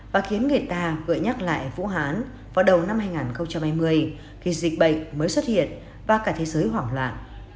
và khiến người ta gợi nhắc lại vũ hán vào đầu năm hai nghìn hai mươi khi dịch bệnh mới xuất hiện và cả thế giới hoảng loạn